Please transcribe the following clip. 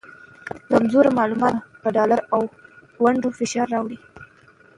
کمزوري معلومات به په ډالر او ونډو فشار راوړي